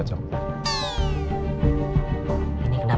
fuck you pak menang lengkuko